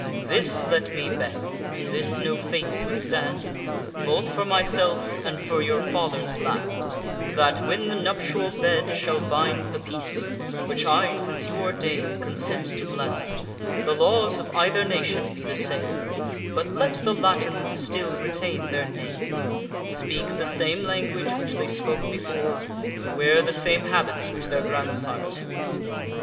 This let me beg (and this no fates withstand) Both for myself and for your father's land, That, when the nuptial bed shall bind the peace, (Which I, since you ordain, consent to bless,) The laws of either nation be the same; But let the Latins still retain their name, Speak the same language which they spoke before, Wear the same habits which their grandsires wore.